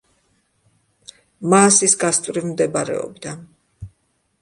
მაასის გასწვრივ მდებარეობდა.